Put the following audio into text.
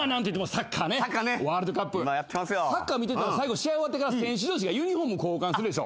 サッカー見てたら最後試合終わってから選手同士がユニホーム交換するでしょ。